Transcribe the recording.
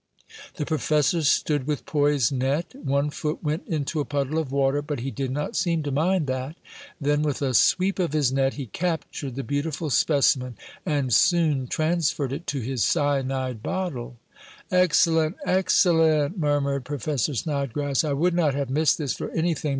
The professor stood with poised net. One foot went into a puddle of water, but he did not seem to mind that. Then, with a sweep of his net he captured the beautiful specimen, and soon transferred it to his cyanide bottle. "Excellent! Excellent!" murmured Professor Snodgrass. "I would not have missed this for anything.